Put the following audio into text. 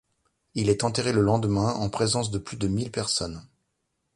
Il est enterré le lendemain, en présence de plus de mille personnes.